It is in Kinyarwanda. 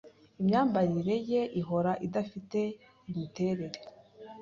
Imyambarire ye ihora idafite imiterere.